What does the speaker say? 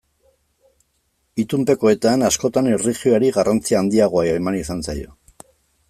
Itunpekoetan askotan erlijioari garrantzi handiagoa eman izan zaio.